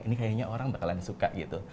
ini kayaknya orang bakalan suka gitu